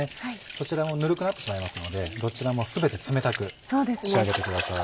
そちらもぬるくなってしまいますのでどちらも全て冷たく仕上げてください。